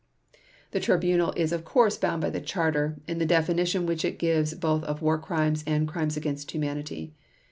The Tribunal is of course bound by the Charter, in the definition which it gives both of War Crimes and Crimes against Humanity.